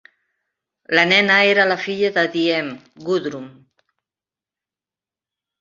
La nena era la filla de Diem, Gudrun.